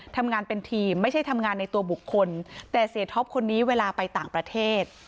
ทำงานเป็นทีมไม่ใช่ทำงานในตัวบุคคลแต่เสียท็อปคนนี้เวลาไปต่างประเทศ